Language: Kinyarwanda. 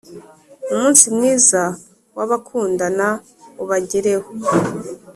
Umunsi mwiza wabakundana ubagereho